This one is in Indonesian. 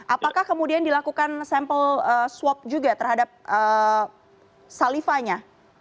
apakah kemudian dilakukan sampel swab juga terhadap salivanya